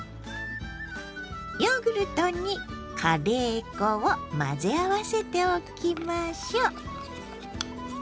ヨーグルトにカレー粉を混ぜ合わせておきましょう。